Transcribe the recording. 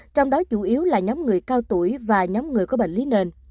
trong đó chủ yếu là nhóm người cao tuổi và nhóm người có bệnh lý nền